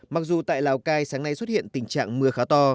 mặc dù tại lào cai sáng nay xuất hiện tình trạng mưa khá to